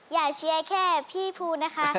อย่าเชียงแค่พี่ฟูนะคะ